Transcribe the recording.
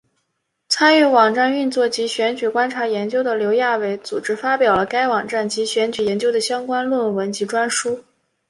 参与网站运作及选举观察研究的刘亚伟组织发表了该网站及选举研究的相关论文及专书。